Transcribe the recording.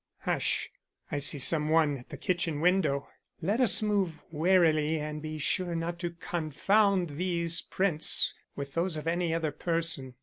"Hush! I see some one at the kitchen window. Let us move warily and be sure not to confound these prints with those of any other person.